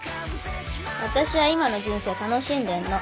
私は今の人生楽しんでんの。